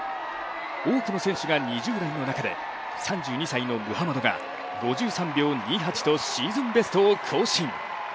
多くの選手が２０代の中で３２歳のムハマドが５３秒２８とシーズンベストを更新。